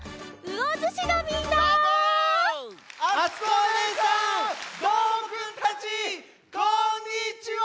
わこんにちは！